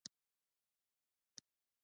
د کوکو دانه د څه لپاره وکاروم؟